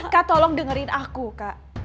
kak tolong dengerin aku kak